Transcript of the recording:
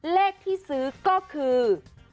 เลขที่ซื้อก็คือ๐๖๗๑๓๕